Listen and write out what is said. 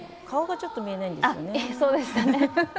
顔がちょっと見えないんですよね。